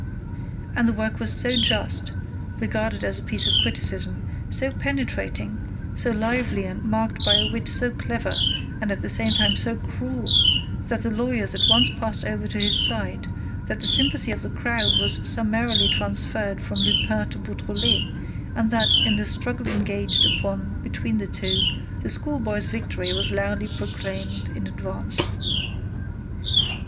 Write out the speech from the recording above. And the work was so just, regarded as a piece of criticism, so penetrating, so lively and marked by a wit so clever and, at the same time, so cruel that the lawyers at once passed over to his side, that the sympathy of the crowd was summarily transferred from Lupin to Beautrelet and that, in the struggle engaged upon between the two, the schoolboy's victory was loudly proclaimed in advance.